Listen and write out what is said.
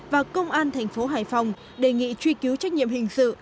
và công an thành phố hải phòng đề nghị truy cứu trách nhiệm hình sự